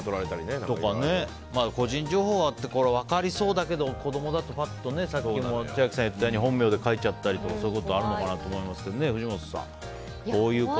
個人情報はって分かりそうだけど子供だとパッとさっき千秋さん言ったように本名で書いちゃったりとかあるのかなと思いますけど藤本さん、こういうこと。